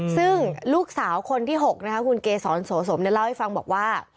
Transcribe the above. ซึ่งลูกสาวคนที่๖นะคะคุณเกษรโสสมเล่าให้ฟังบอกว่า